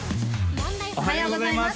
おはようございます